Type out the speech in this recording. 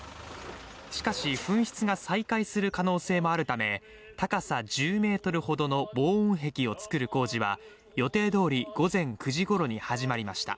しかし噴出が再開する可能性もあるため高さ１０メートルほどの防音壁を作る工事は予定どおり午前９時ごろに始まりました